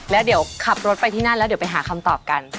แล้วเดี๋ยวขับรถไปที่นั่นแล้วเดี๋ยวไปหาคำตอบกัน